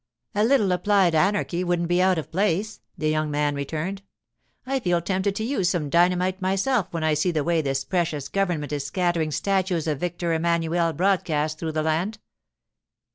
'A little applied anarchy wouldn't be out of place,' the young man returned. 'I feel tempted to use some dynamite myself when I see the way this precious government is scattering statues of Victor Emmanuel broadcast through the land.